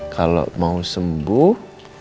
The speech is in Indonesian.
kalau mau sembuh